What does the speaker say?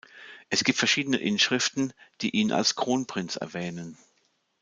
Es gibt verschiedene Inschriften, die ihn als Kronprinz erwähnen.